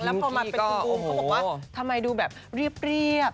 แล้วพอมาเป็นคุณบูมเขาบอกว่าทำไมดูแบบเรียบ